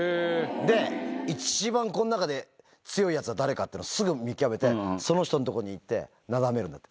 で、一番この中で強いやつは誰かっていうのをすぐ見極めて、その人のところに行ってなだめるんだって。